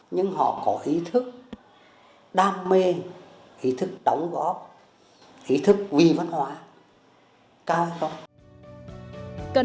nhưng họ có ý thức đam mê ý thức đóng góp ý thức vì văn hóa cao hay không